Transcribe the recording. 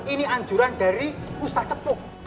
ini anjuran dari ustadz sepuh